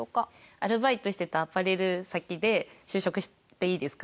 アルバイトしてたアパレル先で就職していいですか？